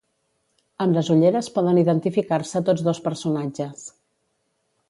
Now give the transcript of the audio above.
Amb les ulleres poden identificar-se tots dos personatges.